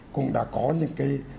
cũng đã có những cái